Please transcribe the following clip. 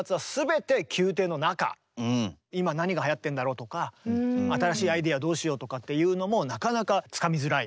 今何がはやってんだろうとか新しいアイデアどうしようとかっていうのもなかなかつかみづらい。